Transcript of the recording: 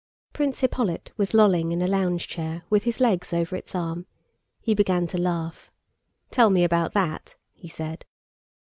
Prince Hippolyte was lolling in a lounge chair with his legs over its arm. He began to laugh. "Tell me about that!" he said.